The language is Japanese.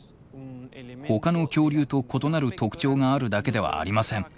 ほかの恐竜と異なる特徴があるだけではありません。